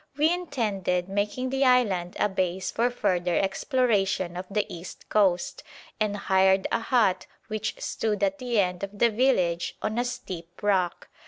We intended making the island a base for further exploration of the east coast, and hired a hut which stood at the end of the village on a steep rock.